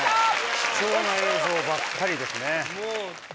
貴重な映像ばっかりですね。